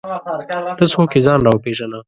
ته څوک یې ځان راوپېژنه!